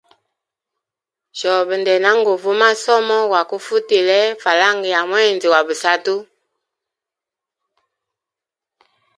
Shobe ndena nguvyaga umasomo gwa kufutile falanga ya mwezi gwa busatu.